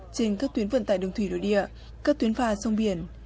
trên các tuyến vận tải đường thủy đối địa các tuyến phà sông biển